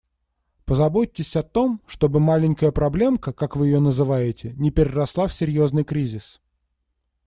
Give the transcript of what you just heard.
Позаботьтесь о том, чтобы «маленькая проблемка», как вы ее называете, не переросла в серьёзный кризис.